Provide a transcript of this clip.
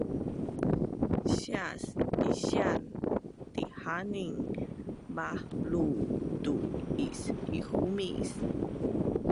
sias isian dihanin bahlu tu is-ihumis